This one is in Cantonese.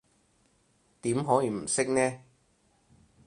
點可以唔識呢？